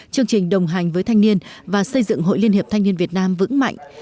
chương trình đồng hành với thanh niên và xây dựng hội liên hiệp thanh niên việt nam vững mạnh